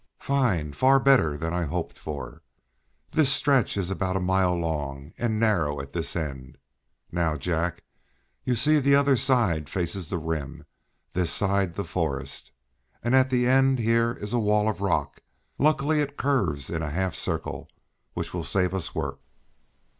"Fine, better than I hoped for! This stretch is about a mile long, and narrow at this end. Now, Jack, you see the other side faces the rim, this side the forest, and at the end here is a wall of rock; luckily it curves in a half circle, which will save us work.